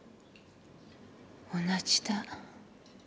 同じだ。